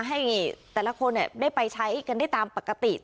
ให้แต่ละคนได้ไปใช้กันได้ตามปกติ